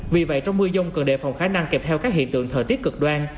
vì vậy trong mưa dông cần đề phòng khả năng kèm theo các hiện tượng thời tiết cực đoan